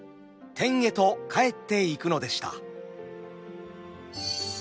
天へと帰っていくのでした。